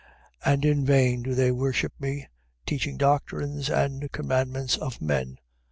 15:9. And in vain do they worship me, teaching doctrines and commandments of men.